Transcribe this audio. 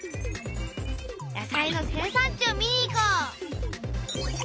野菜の生産地を見に行こう！